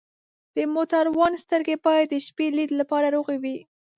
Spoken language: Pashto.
د موټروان سترګې باید د شپې لید لپاره روغې وي.